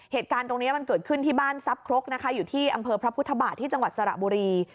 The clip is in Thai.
เหตุการณ์ตรงนี้มันเกิดขึ้นที่บ้านซับครกนะคะอยู่ที่อำเภอพระพุทธบาทที่จังหวัดสระบุรี